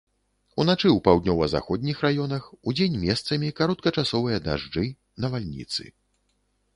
Уначы ў паўднёва-заходніх раёнах, удзень месцамі кароткачасовыя дажджы, навальніцы.